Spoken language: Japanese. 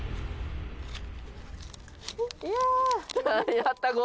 やったー！」